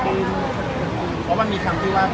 เป็นวัวได้ยังไงครับ